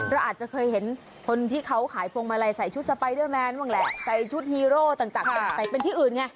เราอาจจะเคยเห็นคนที่เขาขายพวงมาลัยใส่ชุดสไปเดอร์แมนบ้างแหละใส่ชุดฮีโร่ต่างใส่เป็นที่อื่นไง